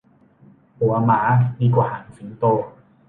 หัวหมาดีกว่าหางสิงโต